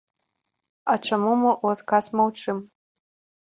А чаму мы ў адказ маўчым?